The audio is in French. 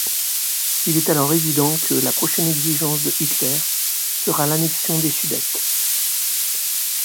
Il est alors évident que la prochaine exigence de Hitler sera l'annexion des Sudètes.